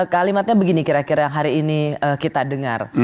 kalimatnya begini kira kira yang hari ini kita dengar